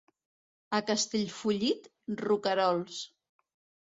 A Castellfollit, roquerols.